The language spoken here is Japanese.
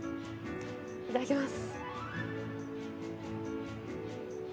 いただきます。